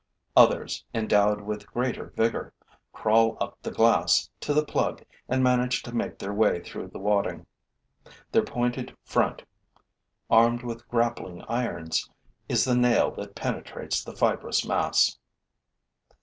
Others, endowed with greater vigor, crawl up the glass to the plug and manage to make their way through the wadding. Their pointed front, armed with grappling irons, is the nail that penetrates the fibrous mass.